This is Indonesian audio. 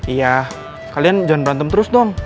iya kalian jangan berantem terus dong